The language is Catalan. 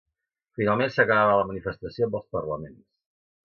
Finalment s’acabava la manifestació amb els parlaments.